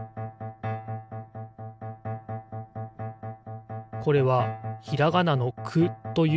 これはひらがなの「く」というもじです。